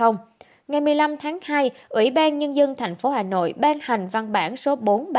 ngày một mươi năm tháng hai ủy ban nhân dân thành phố hà nội ban hành văn bản số bốn trăm ba mươi hai